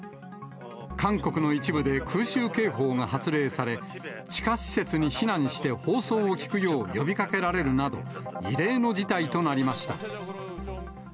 韓国の一部で空襲警報が発令され、地下施設に避難して放送を聞くよう呼びかけられるなど、異例の事態となりました。